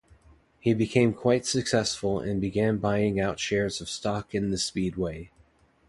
He became quite successful and began buying out shares of stock in the speedway.